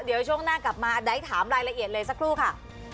เดี๋ยวช่วงหน้ากลับมาอันใดถามรายละเอียดเลยสักครู่ค่ะ